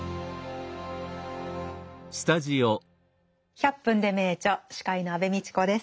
「１００分ｄｅ名著」司会の安部みちこです。